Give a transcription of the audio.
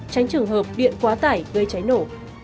tránh trường hợp điện quá tải gây cháy nổ